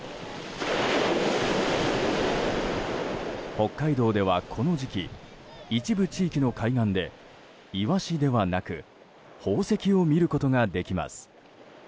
北海道では、この時期一部地域の海岸でイワシではなく宝石を見ることができます。